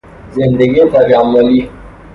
زندگی تجملی